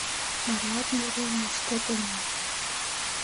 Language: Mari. — Марлат мурен моштет улмаш.